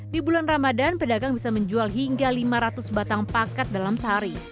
di bulan ramadan pedagang bisa menjual hingga lima ratus batang pakat dalam sehari